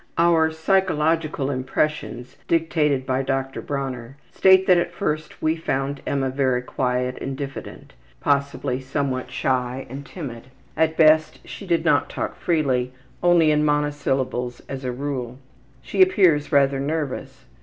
Our ``psychological impressions,'' dictated by Dr. Bronner, state that at first we found Emma very quiet and diffident, possibly somewhat shy and timid. At best she did not talk freely, only in monosyllables as a rule. She appears rather nervous.